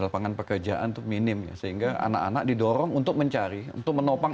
lapangan pekerjaan itu minim ya sehingga anak anak didorong untuk mencari untuk menopang